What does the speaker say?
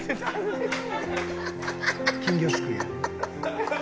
金魚すくいやる？